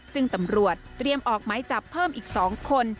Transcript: ซึ่งตำรวจเตรียมออกไม้จับเพิ่มอีก๒คน